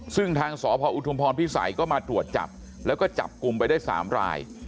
ซึ่งทางสพอุทุมพรพิสัยก็มาตรวจจับแล้วก็จับกลุ่มไปได้๓ราย